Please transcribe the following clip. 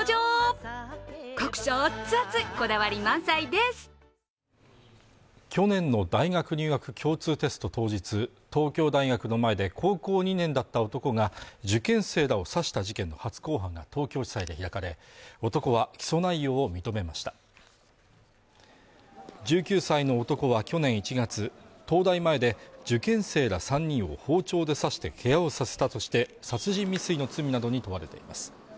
えええぇ⁉ＬＧ２１去年の大学入学共通テスト当日東京大学の前で高校２年だった男が受験生らを刺した事件の初公判が東京地裁で開かれ男は起訴内容を認めました１９歳の男は去年１月東大前で受験生ら３人を包丁で刺してけがをさせたとして殺人未遂の罪などに問われています